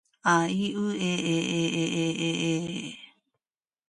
あいうえええええええ